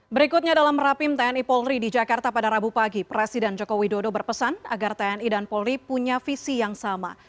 berikutnya dalam merapim tni polri di jakarta pada rabu pagi presiden jokowi dodo berpesan agar tni dan polri punya visi yang sama